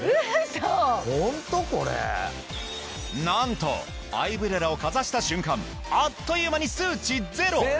なんとアイブレラをかざした瞬間あっという間に数値ゼロ！